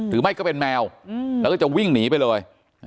หรือไม่ก็เป็นแมวแล้วก็จะวิ่งหนีไปเลย